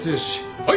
はい。